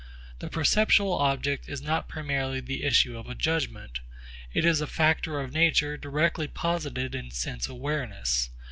The perceptual object is not primarily the issue of a judgment. It is a factor of nature directly posited in sense awareness.